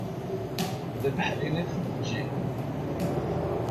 D abeḥri i d-teǧǧiḍ.